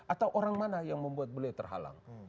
atau orang mana yang membuat beliau terhalang